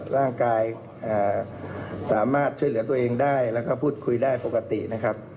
ร่างกายสามารถช่วยเหลือตัวเองได้แล้วก็พูดคุยได้ปกตินะครับ